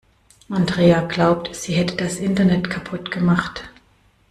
Andrea glaubt, sie hätte das Internet kaputt gemacht.